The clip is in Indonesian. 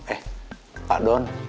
eh pak don